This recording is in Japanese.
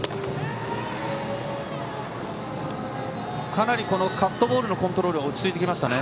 かなりカットボールのコントロールが落ち着いてきましたね。